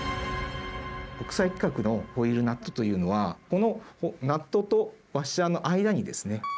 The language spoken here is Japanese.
国際規格のホイールナットというのはこのナットとワッシャーの間にですね